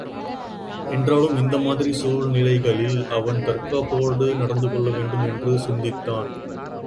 என்றாலும் இந்தமாதிரி சூழ்நிலைகளில் அவன் தற்காப்போடு நடந்து கொள்ள வேண்டும் என்று சிந்தித்தான்.